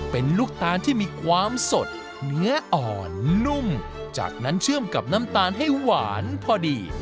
เป็นลูกตาลที่มีความสดเนื้ออ่อนนุ่มจากนั้นเชื่อมกับน้ำตาลให้หวานพอดี